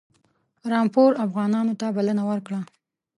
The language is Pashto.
رامپور افغانانو ته بلنه ورکړه.